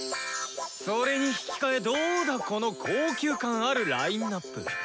それに引き換えどうだこの高級感あるラインナップ！